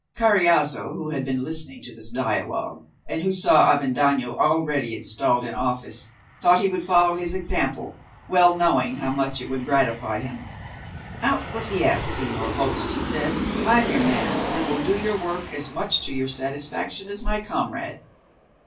Carriazo, who had been listening to this dialogue, and who saw Avendaño already installed in office, thought he would follow his example, well knowing how much it would gratify him. "Out with the ass, señor host," he said; "I'm your man, and will do your work as much to your satisfaction as my comrade."